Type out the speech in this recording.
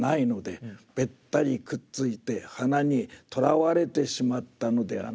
べったりくっついて花にとらわれてしまったのではないか。